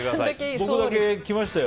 僕だけきましたよ。